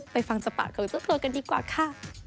ฟังจากปากของเจ้าตัวกันดีกว่าค่ะ